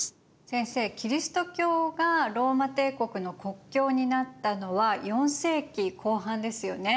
先生キリスト教がローマ帝国の国教になったのは４世紀後半ですよね。